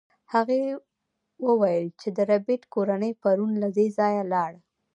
هغې وویل چې د ربیټ کورنۍ پرون له دې ځایه لاړه